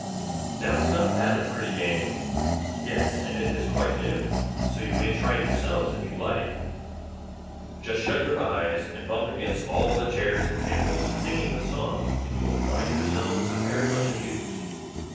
Now is not that a pretty game? Yes, and it is quite new, so you may try it yourselves if you like. Just shut your eyes, and bump against all the chairs and tables, singing this song, and you will find yourselves very much amused.